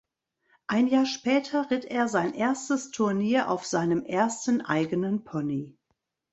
Ein Jahr später ritt er sein erstes Turnier auf seinem ersten eigenen Pony.